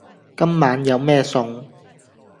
今晚有咩餸？